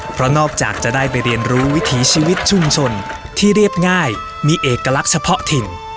เพราะนอกจากจะได้ไปเรียนรู้วิถีชีวิตชุมชนที่เรียบง่ายมีเอกลักษณ์เฉพาะถิ่น